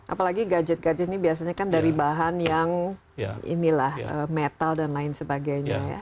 apalagi gadget gadget ini biasanya kan dari bahan yang inilah metal dan lain sebagainya ya